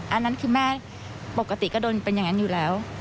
อันนั้นคือแม่ปกติก็โดนเป็นอย่างนั้นอยู่แล้ว